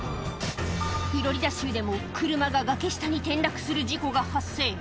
フロリダ州でも、車が崖下に転落する事故が発生。